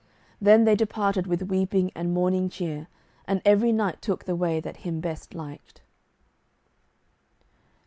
Then they departed with weeping and mourning cheer, and every knight took the way that him best liked.